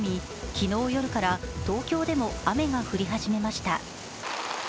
昨日夜から東京でも雨が降り始めました。